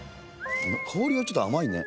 香りがちょっと甘いね。